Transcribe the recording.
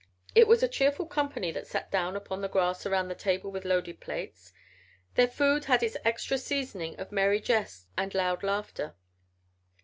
It was a cheerful company that sat down upon the grass around the table with loaded plates. Their food had its extra seasoning of merry jests and loud laughter.